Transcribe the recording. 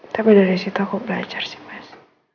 tapi dari situ aku belajar sih mas